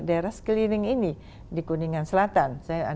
daerah sekeliling ini di kuningan selatan